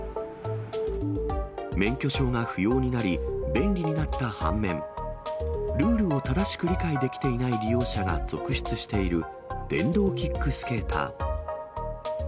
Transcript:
免許証が不要になり、便利になった反面、ルールを正しく理解できていない利用者が続出している、電動キックスケーター。